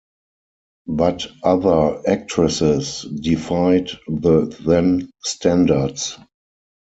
But other actresses defied the then standards.